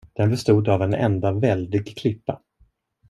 Den bestod av en enda väldig klippa.